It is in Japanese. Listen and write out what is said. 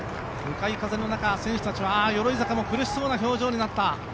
向かい風の中、選手たちは、鎧坂も苦しそうな表情になった。